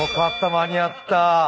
間に合った。